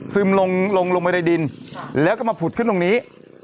ลงลงไปในดินแล้วก็มาผุดขึ้นตรงนี้